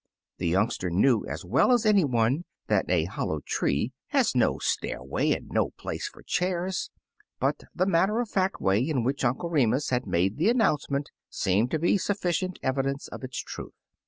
The youngster knew as well as any one that a hollow tree has no stairway and no place for chairs, but the matter of fact way in which Uncle Remus had made the announcement seemed to be sufficient evidence of its truth.